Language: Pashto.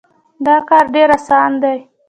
دا کار ډېر اسان دی.